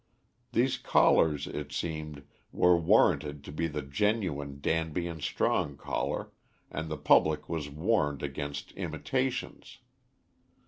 These collars it seemed, were warranted to be the genuine Danby and Strong collar, and the public was warned against imitations.